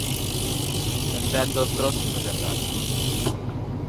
En fem dos trossos allargats.